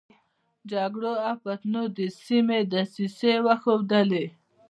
جګړو او فتنو د سيمې دسيسې وښودلې.